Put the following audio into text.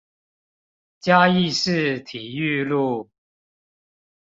嘉義市體育路